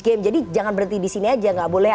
game jadi jangan berhenti disini aja gak boleh